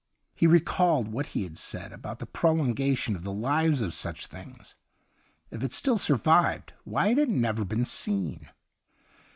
He recalled what he had said about the prolongation of the lives of such things. If it still survived, why had it never been seen